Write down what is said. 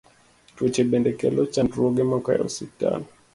Tuoche bende kelo chandruoge moko e osiptal.